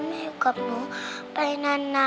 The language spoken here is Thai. ขอบคุณที่จะอยู่กับหนูไปนานค่ะ